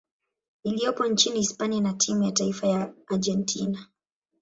iliyopo nchini Hispania na timu ya taifa ya Argentina.